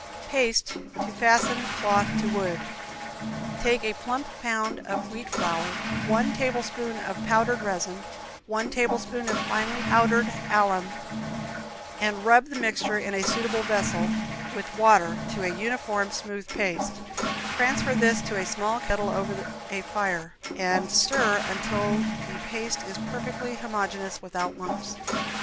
Paste to Fasten Cloth to Wood. Take a plump pound of wheat flour, one tablespoonful of powdered resin, one tablespoonful of finely powdered alum, and rub the mixture in a suitable vessel, with water, to a uniform, smooth paste; transfer this to a small kettle over a fire, and stir until the paste is perfectly homogeneous without lumps.